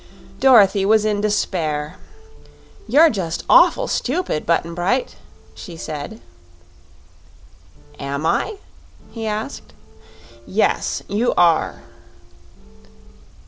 Dorothy was in despair. "You're just AWFUL stupid, Button Bright," she said. "Am I?" he asked. "Yes, you are."